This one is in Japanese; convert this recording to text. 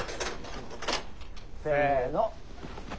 せの。